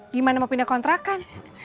gimana mau pindah kontrakan